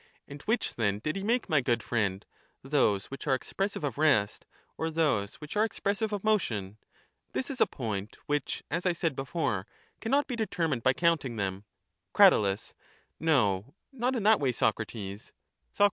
And which, then, did he make, my good friend ; those which are expressive of rest, or those which are expressive of motion? This is a point which, as I said before, cannot be determined by counting them. Crat. No ; not in that way, Socrates. Soc.